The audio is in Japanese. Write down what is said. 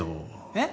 えっ？